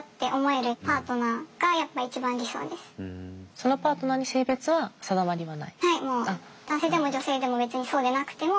そのパートナーに性別は定まりはない？